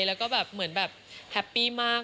แล้วก็แบบเหมือนแบบแฮปปี้มาก